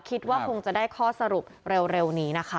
คิดว่าคงจะได้ข้อสรุปเร็วนี้นะคะ